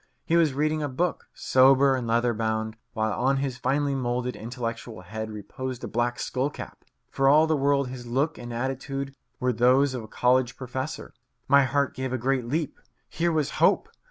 He was reading a book, sober and leather bound, while on his finely moulded, intellectual head reposed a black skull cap. For all the world his look and attitude were those of a college professor. My heart gave a great leap. Here was hope!